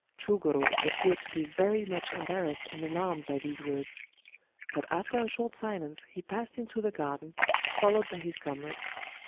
Chugoro appeared to be very much embarrassed and alarmed by these words. But after a short silence he passed into the garden, followed by his comrade.